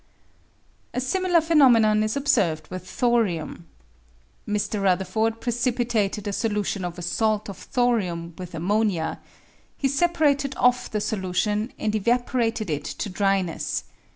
A similar phenomenon is observed with thorium. Mr. Rutherford precipitated a solution of a salt of thorium with ammonia ; he separated off the solution and evaporated it to dryness.